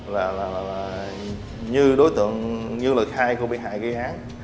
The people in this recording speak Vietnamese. là như lời khai của bị hại gây án